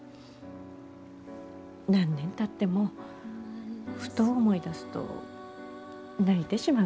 何年たってもふと思い出すと泣いてしまうから。